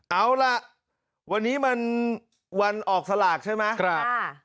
เอาล่ะวันนี้มันวันออกสลากใช่ไหม